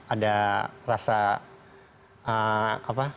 ada rasa apa